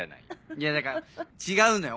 いやだから違うのよ